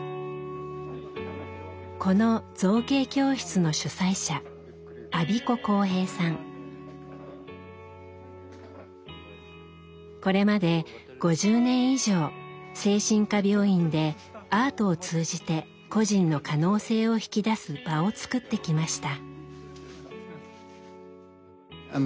この造形教室のこれまで５０年以上精神科病院でアートを通じて個人の可能性を引き出す場を作ってきました。